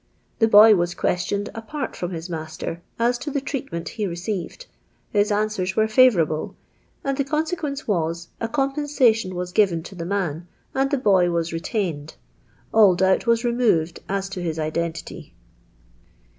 The boy was questioned apart from his master, as to the treatment he received; his answers were favourable ; and the consequence was, a compena tion was given to the man, and the boy was re tained. All doubt was removed as to his identity."